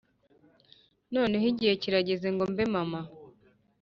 noneho igihe kirageze ngo mbe mama